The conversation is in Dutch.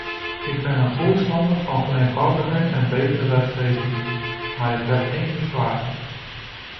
Ik ben een voorstander van vereenvoudiging en betere wetgeving, maar ik heb één bezwaar.